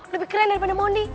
lebih keren daripada mondi